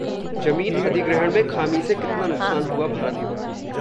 जमीन अधिग्रहण में खामी से कितना नुकसान हुआ है भारत को...